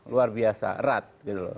luar biasa erat gitu loh